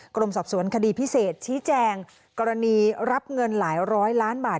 กรมสอบสวนคดีพิเศษชี้แจงกรณีรับเงินหลายร้อยล้านบาท